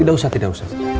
tidak usah tidak usah